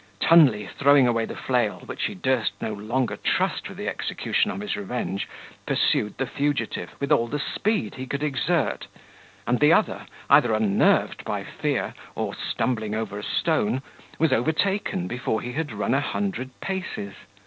Tunley, throwing away the flail, which he durst no longer trust with the execution of his revenge, pursued the fugitive with all the speed he could exert; and the other, either unnerved by fear or stumbling over a stone, was overtaken before he had run a hundred paces.